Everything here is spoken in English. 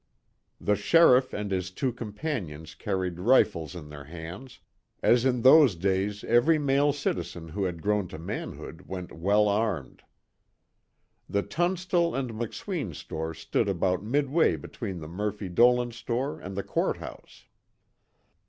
The sheriff and his two companions carried rifles in their hands, as in those days every male citizen who had grown to manhood, went well armed. The Tunstall and McSween store stood about midway between the Murphy Dolan store and the Court House.